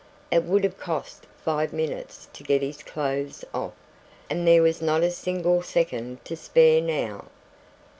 It would have cost five minutes to get his clothes off, and there was not a single second to spare now.